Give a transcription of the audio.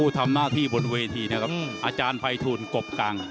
ที่นี่ล่ะครับ